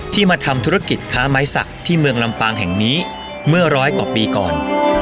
มาทำธุรกิจค้าไม้สักที่เมืองลำปางแห่งนี้เมื่อร้อยกว่าปีก่อน